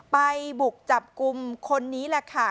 บุกจับกลุ่มคนนี้แหละค่ะ